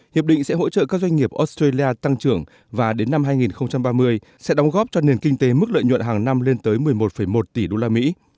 hiệp định sẽ hỗ trợ các doanh nghiệp australia tăng trưởng và đến năm hai nghìn ba mươi sẽ đóng góp cho nền kinh tế mức lợi nhuận hàng năm lên tới một mươi một một tỷ đô la mỹ